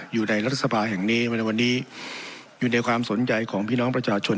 อยู่ในรัฐสภาแห่งนี้มาในวันนี้อยู่ในความสนใจของพี่น้องประชาชน